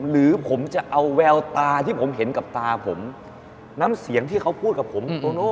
หรือผมจะเอาแววตาที่ผมเห็นกับตาผมน้ำเสียงที่เขาพูดกับผมโตโน่